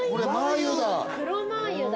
油黒マー油だ。